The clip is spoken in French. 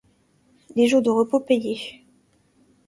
Les jours de repos payés.